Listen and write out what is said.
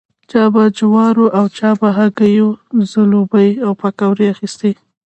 چا په جوارو او چا په هګیو ځلوبۍ او پیکوړې اخيستې.